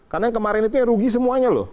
karena yang kemarin itu yang rugi semuanya loh